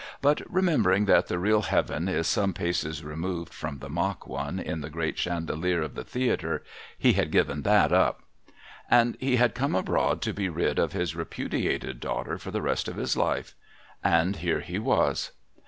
But remembering that the real Heaven is some paces removed from the mock one in the great chandelier of the Theatre, he had given that up. And he had come abroad to be rid of his repudiated daughter for the rest of his life. And here he was.